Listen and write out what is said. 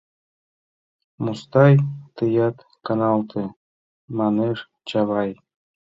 Мустай, тыят каналте, — манеш Чавай.